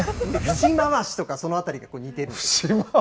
節回しとかそのあたりが似てるんです。